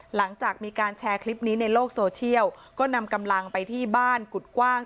หลังจากมีการแชร์คลิปนี้ในโลกโซเชียลก็นำกำลังไปที่บ้านกุฎกว้าง